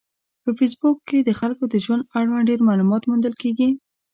په فېسبوک کې د خلکو د ژوند اړوند ډېر معلومات موندل کېږي.